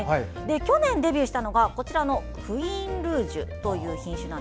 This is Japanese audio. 去年、デビューしたのがクイーンルージュという品種。